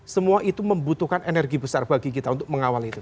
semua itu membutuhkan energi besar bagi kita untuk mengawal itu